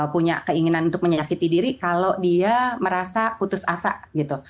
punya keinginan untuk menyakiti diri kalau dia merasa putus asa gitu